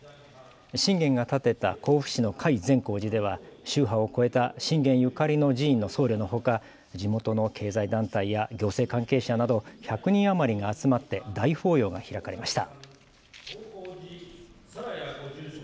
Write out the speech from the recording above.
信玄が建てた甲府市の甲斐善光寺では宗派を超えた信玄ゆかりの寺院の僧侶のほか、地元の経済団体や行政関係者など、１００人余りが集まって大法要が開かれました。